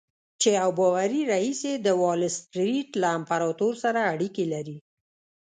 چې يو باوري رييس يې د وال سټريټ له امپراتور سره اړيکې لري.